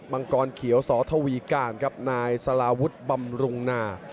บางกรเขียวสธวีการนายสลาวุฒิบำรุงนา